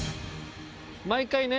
毎回ね。